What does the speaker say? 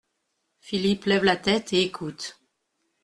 Philippe lève la tête et écoute.